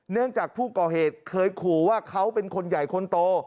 เนื่องจากผู้ก่อเหตุเคยขู่ว่าเขาเป็นคนใหญ่คนโต